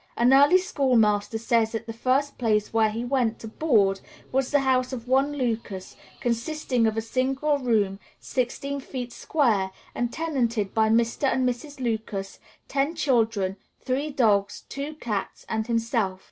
An early schoolmaster says that the first place where he went to board was the house of one Lucas, consisting of a single room, sixteen feet square, and tenanted by Mr. and Mrs. Lucas, ten children, three dogs, two cats, and himself.